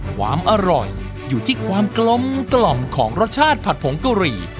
ความอร่อยอยู่ที่ความกลมกล่อมของรสชาติผัดผงกะหรี่